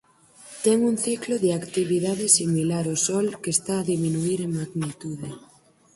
Ten un ciclo de actividade similar ó Sol que está a diminuír en magnitude.